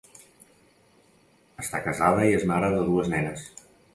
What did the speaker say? Està casada i és mare de dues nenes.